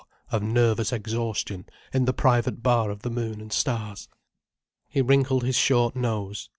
of nervous exhaustion in the private bar of the Moon and Stars. He wrinkled his short nose.